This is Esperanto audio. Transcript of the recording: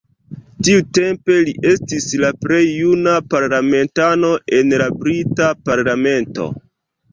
Tiutempe, li estis la plej juna parlamentano en la brita parlamento.